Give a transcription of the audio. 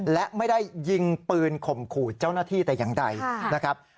และไม่ได้ยิงปืนข่มขู่เจ้าหน้าที่แต่อย่างใดนะครับ